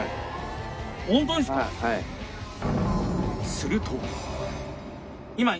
すると